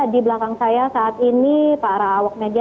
di belakang saya saat ini para awak media